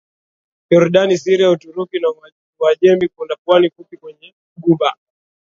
Yordani Syria Uturuki na Uajemi Kuna pwani fupi kwenye Ghuba